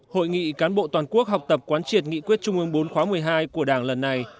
hội nghị cán bộ toàn quốc học tập quán triệt nghị quyết trung ương bốn khóa một mươi hai của đảng lần này